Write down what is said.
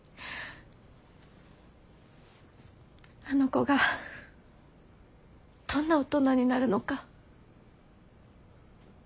あの子がどんな大人になるのか。